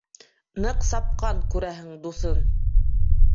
Ныҡ сапҡан, күрәһең, дуҫын.